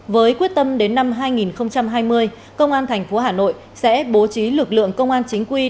với quyết tâm đến năm hai nghìn hai mươi công an thành phố hà nội sẽ bố trí lực lượng công an chính quy